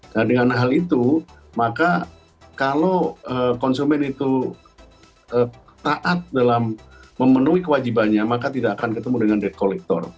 nah dengan hal itu maka kalau konsumen itu taat dalam memenuhi kewajibannya maka tidak akan ketemu dengan debt collector